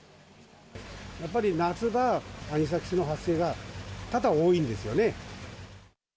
やっぱり夏場、アニサキスの発生が多々、多いんですよね。